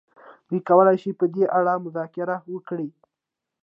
دوی کولای شي په دې اړه مذاکره وکړي.